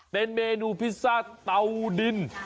เป็นเมนูพิซซ่าเตาดิน